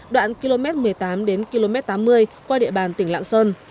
đoạn km một mươi tám đến km tám mươi qua địa bàn tỉnh lạng sơn